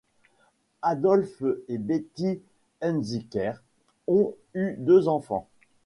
Adolphe et Betty Hunziker ont eu deux enfants.